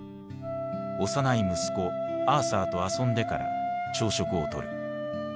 幼い息子アーサーと遊んでから朝食をとる。